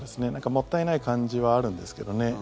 もったいない感じはあるんですけどね。